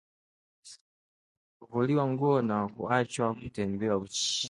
kuvuliwa nguo na kuachwa kutembea uchi